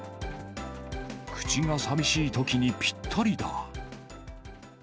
口が寂しいときにぴったりだ。